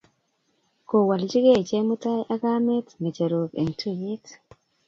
Kowaljikey Chemutai ak kamet ng'echerok eng' tuiyet.